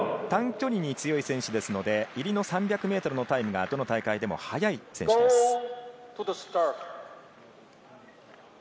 短距離に強い選手ですので、入りの３００ｍのタイムがどの大会でも速い選手です。